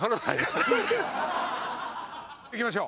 いきましょう。